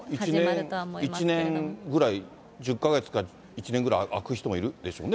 １年ぐらい、１０か月か１年ぐらい開く人もいるでしょうね。